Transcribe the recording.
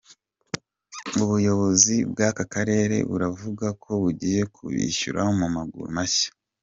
Ubuyobozi bw’aka Karere buravuga ko bugiye kubishyura mu maguru mashya.